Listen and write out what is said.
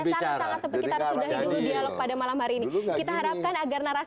besok akan terlihat kontras